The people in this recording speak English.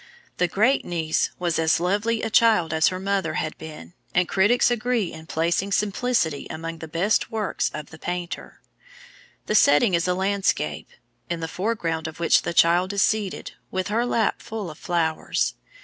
The great niece was as lovely a child as her mother had been, and critics agree in placing Simplicity among the best works of the painter. The setting is a landscape, in the foreground of which the child is seated, with her lap full of flowers.